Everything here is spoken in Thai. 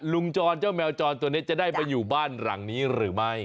จรเจ้าแมวจรตัวนี้จะได้มาอยู่บ้านหลังนี้หรือไม่